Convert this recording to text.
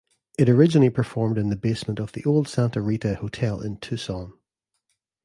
It originally performed in the basement of the old Santa Rita Hotel in Tucson.